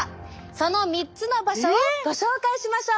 その３つの場所をご紹介しましょう！